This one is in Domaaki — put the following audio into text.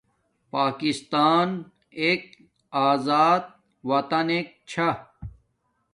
پاکستان ایک ازا اطن نک چھا